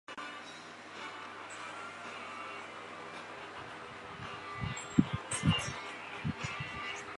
曾任恒生银行副董事长兼行政总裁及汇丰银行总经理兼工商业务环球联席主管。